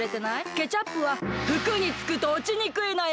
ケチャップはふくにつくとおちにくいのよ！